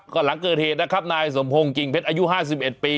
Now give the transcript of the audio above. ก็หลังเกิดเหตุนะครับนายสมพงศ์กิ่งเพชรอายุ๕๑ปี